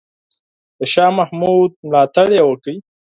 د شاه محمود ملاتړ یې وکړ.